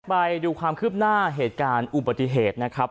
ไปดูความคืบหน้าเหตุการณ์อุบัติเหตุนะครับ